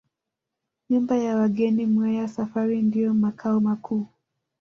Nyumba ya wageni Mweya Safari ndiyo makao makuu